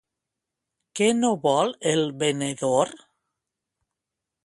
Què no vol el venedor?